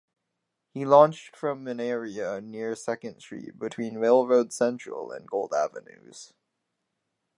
He launched from an area near Second Street between Railroad (Central) and Gold Avenues.